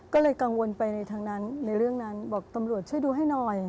ก็เลยกังวลไปในทางนั้นในเรื่องนั้นบอกตำรวจช่วยดูให้หน่อย